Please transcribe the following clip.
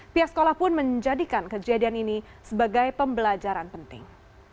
pihak sekolah pun menjadikan kejadian ini sebagai pembelajaran penting